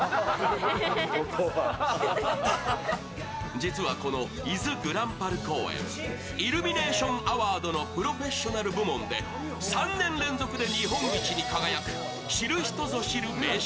実はこの伊豆ぐらんぱる公園、イルミネーションアワードのプロフェッショナル部門で３年連続で日本一に輝く知る人ぞ知る名所。